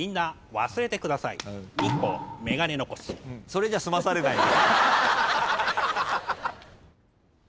それじゃ済まされない。